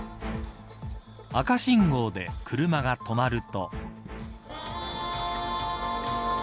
赤信号で車が止まると。